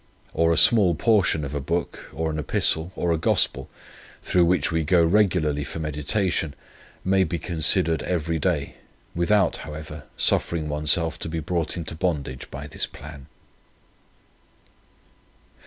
Or a small portion of a book, or an epistle, or a gospel, through which we go regularly for meditation, may be considered every day, without, however, suffering oneself to be brought into bondage by this plan.